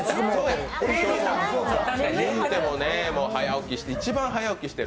言うても早起きして一番早起きしてる。